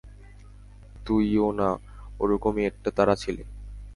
তুইও না ওরকম- ই একটা তারা ছিলি।